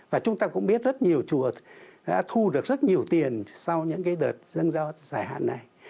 và chúng ta cũng biết rất nhiều chùa đã thu được rất nhiều tiền sau những cái đợt dân giao giải hạn này